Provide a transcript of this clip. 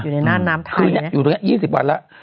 อยู่ในน้ำน้ำไทยเนี้ยอยู่ตรงเนี้ยยี่สิบวันแล้ว